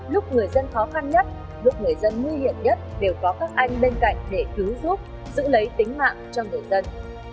lúc người dân khó khăn nhất lúc người dân nguy hiểm nhất đều có các anh bên cạnh để cứu giúp giữ lấy tính mạng cho người dân